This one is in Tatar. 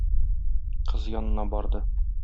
Кыз янына барды.